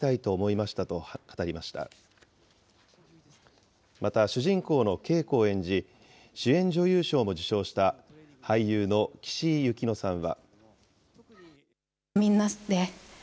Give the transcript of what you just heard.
また、主人公のケイコを演じ、主演女優賞も受賞した、俳優の岸井ゆきのさんは。